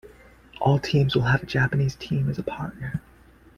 All teams will have a Japanese team as a partner.